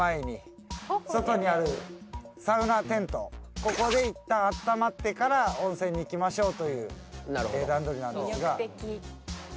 ここでいったん温まってから温泉に行きましょうという段取りなんですが。